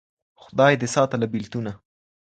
خداى دي ساته له بېـلتونه